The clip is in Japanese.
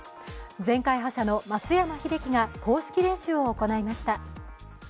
前回覇者の松山英樹が公式練習を行いました。